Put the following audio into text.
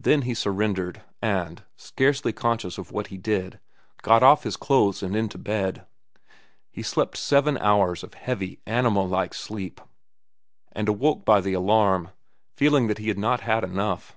Then he surrendered, and, scarcely conscious of what he did, got off his clothes and into bed. He slept seven hours of heavy, animal like sleep, and awoke by the alarm, feeling that he had not had enough.